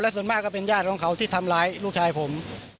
ส่วนมากก็เป็นญาติของเขาที่ทำร้ายลูกชายผม